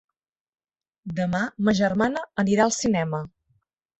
Demà ma germana anirà al cinema.